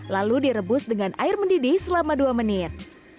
lalu direbus dengan air mendidih selama dua menit